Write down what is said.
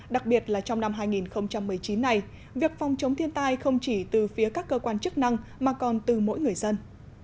đặc biệt là trong năm hai nghìn một mươi chín này việc phòng chống thiên tai không chỉ từ phía các cơ quan chức năng mà còn từ mỗi người dân